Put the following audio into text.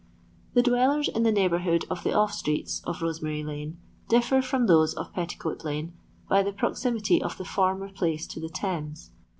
The dwellers in the neighbourhood or the off streets of Rosemary lane, differ from those of Petticoat lane by the proximity of the former place to the Thames.